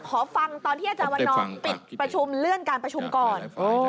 ขอฟังตอนที่อาจารย์วันนอร์ปิดประชุมเลื่อนการประชุมก่อน